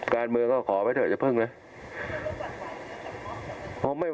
การเมืองก็ขอไว้เถอะจะเพิ่งเลย